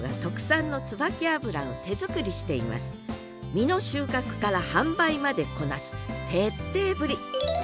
実の収穫から販売までこなす徹底ぶり。